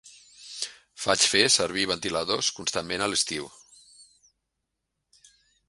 Faig fer servir ventiladors constantment a l'estiu